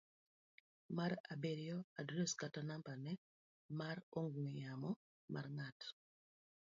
mar abiriyo. Adres kata nambane mar ong'we yamo mar ng'at